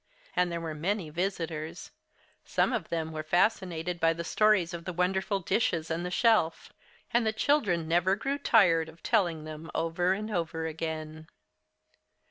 And there were many visitors. Some of them were fascinated by the stories of the wonderful dishes and the shelf. And the children never grew tired of telling them over and over again.